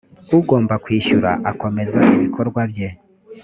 ugomba kwishyura akomeza ibikorwa bye